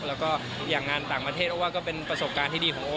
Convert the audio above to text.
แล้วก็อย่างงานต่างประเทศโอว่าก็เป็นประสบการณ์ที่ดีของโอ